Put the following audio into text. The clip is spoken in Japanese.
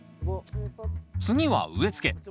次は植えつけ。